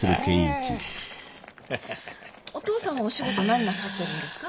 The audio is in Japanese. お父さんはお仕事何なさってるんですか？